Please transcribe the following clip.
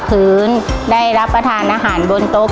และวันนี้โรงเรียนไทรรัฐวิทยา๖๐จังหวัดพิจิตรครับ